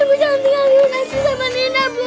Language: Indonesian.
ibu jangan tinggal bu nasi sama nina bu